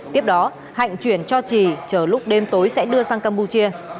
tiếp đó hạnh chuyển cho trì chờ lúc đêm tối sẽ đưa sang campuchia